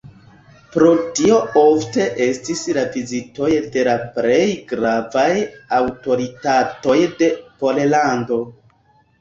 Pro tio ofte estis la vizitoj de la plej gravaj aŭtoritatoj de Pollando.